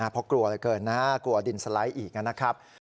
เพราะกลัวเหลือเกินนะกลัวดินสไลด์อีกนะครับ